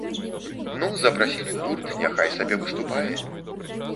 Ну, запрасілі гурт, няхай сабе выступае.